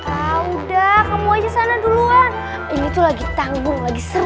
oh udah kamu aja sana duluan ini tuh lagi tanggung lagi seru